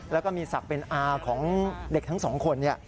แล้วก็มีศักดิ์เป็นอาของเด็กทั้งสองคน